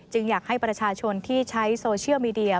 อยากให้ประชาชนที่ใช้โซเชียลมีเดีย